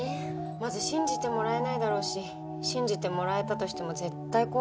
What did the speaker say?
まず信じてもらえないだろうし信じてもらえたとしても絶対怖がられるしね。